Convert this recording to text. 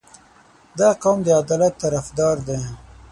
• دا قوم د عدالت طرفدار دی.